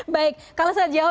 baik kalau saya jauh